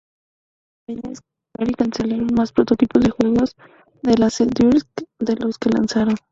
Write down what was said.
Compañías como Atari cancelaron más prototipos de juegos de Laserdisc de los que lanzaron.